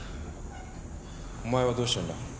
お前はどうしたいんだ？